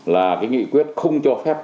là cái nghị quyết không cho phép